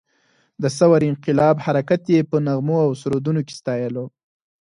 د ثور انقلاب حرکت یې په نغمو او سرودونو کې ستایلو.